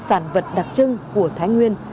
sản vật đặc trưng của thái nguyên